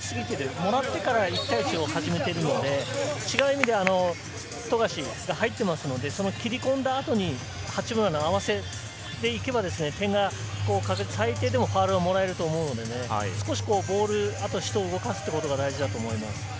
もらってから１対１を始めているので、富樫が入ってますので、切り込んだ後に、八村の合わせで行けば最低でもファウルはもらえると思うので、ボールと人を動かすところだと思います。